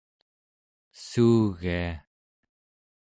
suugia